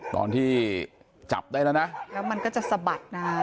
ตอนที่จับได้แล้วนะแล้วมันก็จะสะบัดนะฮะ